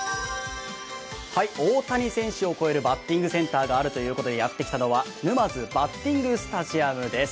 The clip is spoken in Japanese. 大谷選手を超えるバッティングセンターがあるということでやってきたのは、沼津バッティングスタジアムです。